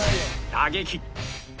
打撃